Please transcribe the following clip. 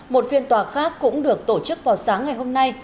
một phiên tòa khác cũng được tổ chức vào sáng ngày hôm nay